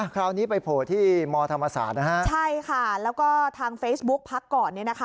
คราวนี้ไปโผล่ที่มธรรมศาสตร์นะฮะใช่ค่ะแล้วก็ทางเฟซบุ๊กพักก่อนเนี่ยนะคะ